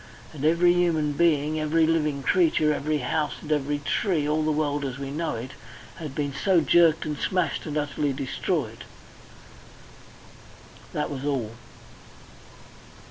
And every human being, every living creature, every house, and every tree all the world as we know it had been so jerked and smashed and utterly destroyed. That was all.